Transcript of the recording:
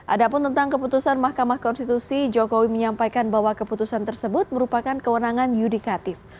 ada pun tentang keputusan mahkamah konstitusi jokowi menyampaikan bahwa keputusan tersebut merupakan kewenangan yudikatif